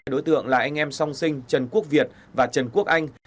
hai đối tượng là anh em song sinh trần quốc việt và trần quốc anh